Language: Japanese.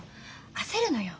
焦るのよ。